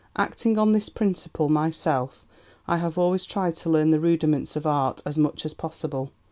Acting on this principle myself, I have always tried to learn the rudiments of art as much as possible.